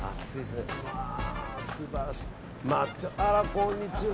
こんにちは。